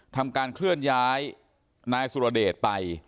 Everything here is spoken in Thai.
ทำการเคลื่อนย้ายนายสุรเดชไป